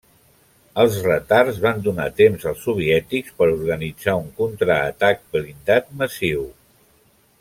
Els retards van donar temps als soviètics per organitzar un contraatac blindat massiu.